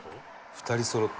「２人そろって」